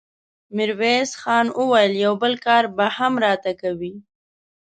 ميرويس خان وويل: يو بل کار به هم راته کوې!